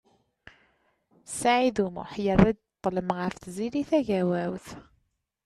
Saɛid U Muḥ yerra-d ṭlem ɣef Tiziri Tagawawt.